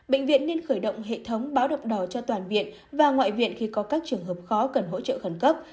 bệnh viện nên khởi động hệ thống báo độc đỏ cho toàn viện và ngoại viện khi có các trường hợp khó cần hỗ trợ khẩn cấp